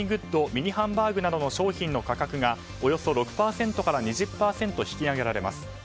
ミニハンバーグなどの商品の価格がおよそ６％から２０％引き上げられます。